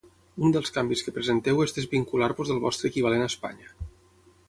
Un dels canvis que presenteu és desvincular-vos del vostre equivalent a Espanya.